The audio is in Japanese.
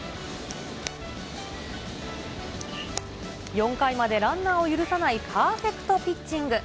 ４回までランナーを許さないパーフェクトピッチング。